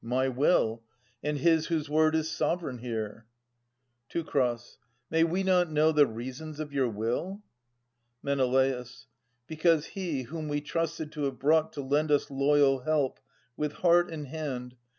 My will, and his whose word is sovereign here. Teu. May we not know the reasons of your will ? Men. Because he, whom we trusted to have brought To lend us loyal help with heart and hand.